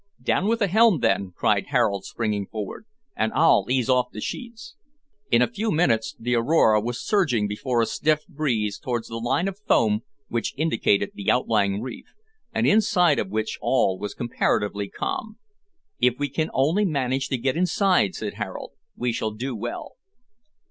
"Down with the helm, then," cried Harold, springing forward, "and I'll ease off the sheets." In a few minutes the `Aurora' was surging before a stiff breeze towards the line of foam which indicated the outlying reef, and inside of which all was comparatively calm. "If we only manage to get inside," said Harold, "we shall do well."